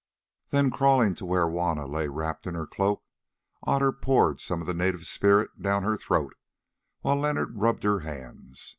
Then crawling to where Juanna lay wrapped in her cloak, Otter poured some of the native spirit down her throat while Leonard rubbed her hands.